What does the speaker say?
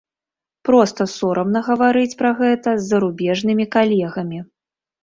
Проста сорамна гаварыць пра гэта з зарубежнымі калегамі.